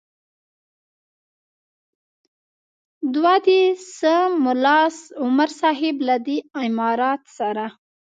دوه دې سه ملا عمر صاحب له دې امارت سره.